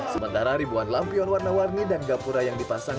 sementara ribuan lampion warna warni dan gapura yang dipasang